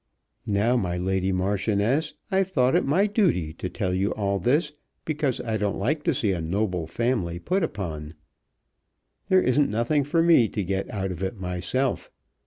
Now, my Lady Marchioness, I've thought it my duty to tell you all this because I don't like to see a noble family put upon. There isn't nothing for me to get out of it myself.